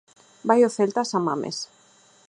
Vai o Celta a San Mamés.